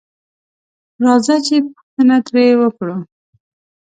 راځه چې پوښتنه تري وکړو